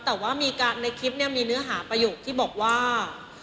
แต่ว่าในคลิปนี้มีเนื้อหาประโยคที่บอกว่า